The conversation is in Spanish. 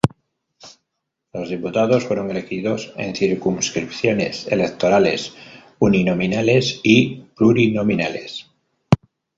Los diputados fueron elegidos en circunscripciones electorales uninominales y plurinominales.